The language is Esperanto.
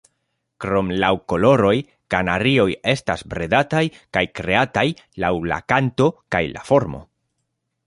Krom laŭ koloroj, kanarioj estas bredataj kaj kreataj laŭ la kanto kaj la formo.